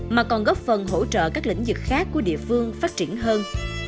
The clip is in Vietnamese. mà còn góp phần hỗ trợ các lĩnh vực khác của địa phương phát triển hơn